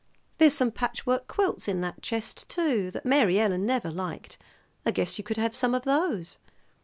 There's some patchwork quilts in that chest, too, that Mary Ellen never liked. I guess you could have some of those."